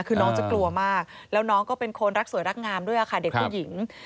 คือน้องจะกลัวมากแล้วน้องก็เป็นคนรักสวยรักงามด้วยค่ะเด็กผู้หญิง